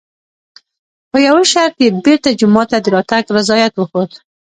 په یوه شرط یې بېرته جومات ته د راتګ رضایت وښود.